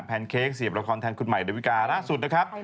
เค้กเสียบละครแทนคุณใหม่ดาวิกาล่าสุดนะครับ